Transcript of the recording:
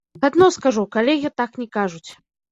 Адно скажу, калегі так не кажуць.